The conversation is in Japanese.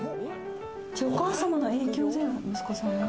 お母様の影響で息子さんが？